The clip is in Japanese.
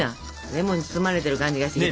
レモンに包まれてる感じがしてきた。